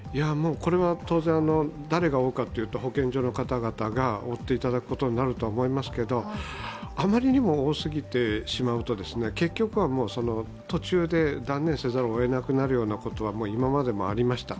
当然、誰が追うかというと保健所の方々が追っていただくことになると思いますけれども、あまりにも多すぎてしまうと、結局はその途中で断念せざるをえなくなるようなことは今までもありました。